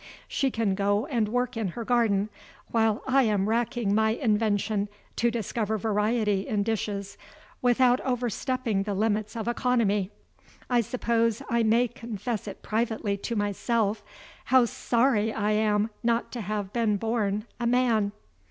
She can go and work in her garden, while I am racking my invention to discover variety in dishes without overstepping the limits of economy. I suppose I may confess it privately to myself how sorry I am not to have been born a man!